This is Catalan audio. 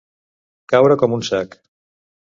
Caure com un sac.